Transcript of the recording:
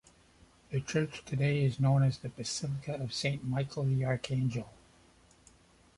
The church today is known as the Basilica of Saint Michael the Archangel.